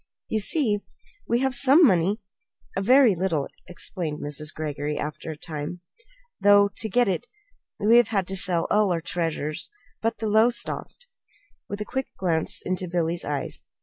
"You see, we have some money a very little," explained Mrs. Greggory, after a time; "though to get it we have had to sell all our treasures but the Lowestoft," with a quick glance into Billy's eyes.